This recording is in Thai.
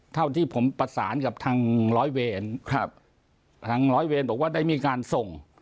เท่าที่ผมประสานกับทางร้อยเวรครับทางร้อยเวรบอกว่าได้มีการส่ง